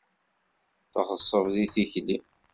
Teɣṣeb di tikli.